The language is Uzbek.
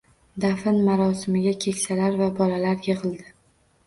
Dafn marosimiga keksalar va bolalar yigʻildi.